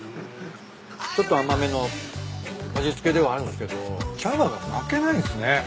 ちょっと甘めの味付けではあるんすけど茶葉は負けないんすね。